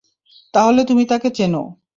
তাহলে তুমি তাকে চেনো।